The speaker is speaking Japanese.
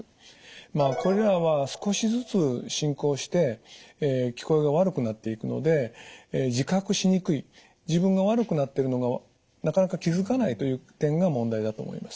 まあこれらは少しずつ進行して聞こえが悪くなっていくので自覚しにくい自分が悪くなってるのがなかなか気付かないという点が問題だと思います。